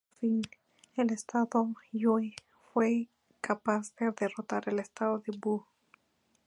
Por fin el "Estado Yue" fue capaz de derrotar al Estado de Wu.